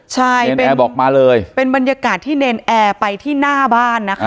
ใช่แนบอกมาเลยเป็นบรรยากาศที่เนรนแอร์ไปที่หน้าบ้านนะคะ